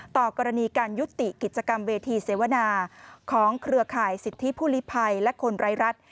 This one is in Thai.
ต่อกรณีการยุติกิจกรรมเวทีเสวนาของเครือข่ายสิทธิผู้ลิภัยและคนไร้รัฐ